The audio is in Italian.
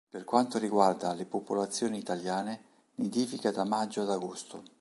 Per quanto riguarda le popolazioni italiane nidifica da maggio ad agosto.